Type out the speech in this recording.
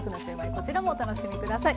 こちらもお楽しみ下さい。